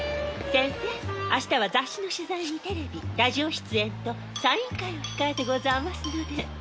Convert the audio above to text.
センセ明日は雑誌の取材にテレビラジオ出演とサイン会を控えてござあますので。